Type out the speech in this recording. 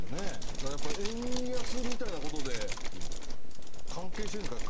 だから、円安みたいなことも関係しているんですかね？